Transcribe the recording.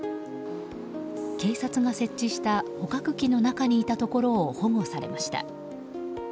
警察が設置した捕獲器の中にいたところを保護されました。